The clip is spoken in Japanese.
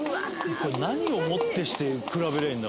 「これ何をもってして比べりゃいいんだ？